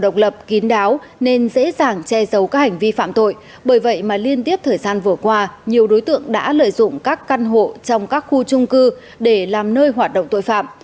các lập kín đáo nên dễ dàng che giấu các hành vi phạm tội bởi vậy mà liên tiếp thời gian vừa qua nhiều đối tượng đã lợi dụng các căn hộ trong các khu trung cư để làm nơi hoạt động tội phạm